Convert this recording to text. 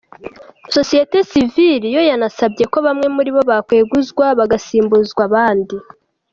Sosiyete Sivili yo yanasabye ko bamwe muri bo bakweguzwa bagasimbuzwa abandi.